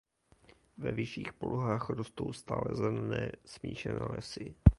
Ve vyšších polohách rostou stálezelené smíšené lesy.